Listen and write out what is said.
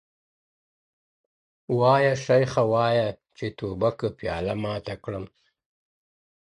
وایه شیخه وایه چي توبه که پیاله ماته کړم,